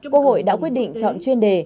quốc hội đã quyết định chọn chuyên đề